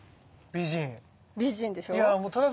美人でしょ。